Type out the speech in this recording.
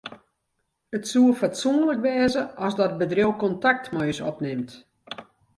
It soe fatsoenlik wêze as dat bedriuw kontakt mei ús opnimt.